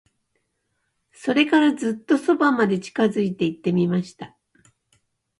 それから、ずっと側まで近づいて行ってみました。